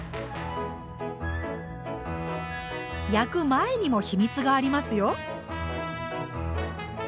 焼く前にも秘密がありますよ。